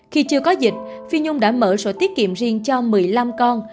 khi chưa có dịch phi nhung đã mở sổ tiết kiệm riêng cho một mươi năm con